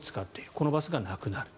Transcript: このバスがなくなる。